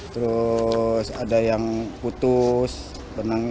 terus ada yang putus menangis